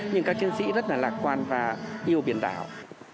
nhưng các chiến sĩ rất là lạc quan và yêu biển đảo